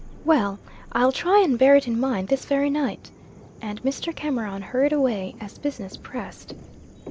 "Well, I'll try and bear it in mind this very night," and Mr. Cameron hurried away, as business pressed.